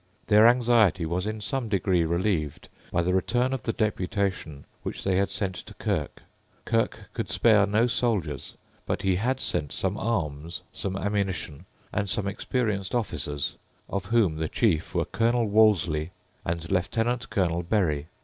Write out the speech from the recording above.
Their anxiety was in some degree relieved by the return of the deputation which they had sent to Kirke. Kirke could spare no soldiers; but he had sent some arms, some ammunition, and some experienced officers, of whom the chief were Colonel Wolseley and Lieutenant Colonel Berry.